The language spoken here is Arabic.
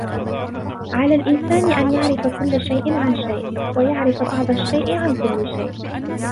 على الإنسان أن يعرف كل شيء عن شيء، ويعرف بعض الشيء عن كل شي.